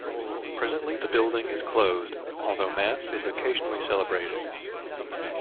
Presently the building is closed, although Mass is occasionally celebrated.